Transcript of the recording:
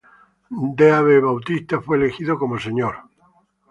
Dave Bautista fue elegido como Mr.